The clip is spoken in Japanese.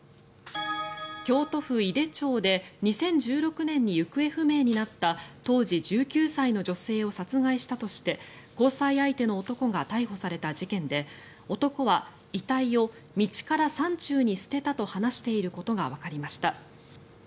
京都府井手町で２０１６年に行方不明になった当時１９歳の女性を殺害したとして交際相手の男が逮捕された事件で男は遺体を道から山中に捨てたと話していることがわかりました。